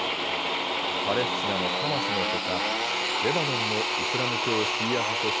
パレスチナのハマスのほか、レバノンのイスラム教シーア派組織